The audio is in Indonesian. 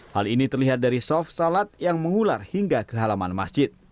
hal ini terlihat dari sof salat yang mengular hingga ke halaman masjid